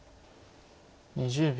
２０秒。